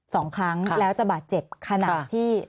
สองครั้งแล้วจะบาดเจ็บขนาดที่